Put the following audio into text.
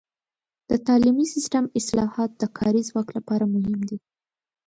د تعلیمي سیستم اصلاحات د کاري ځواک لپاره مهم دي.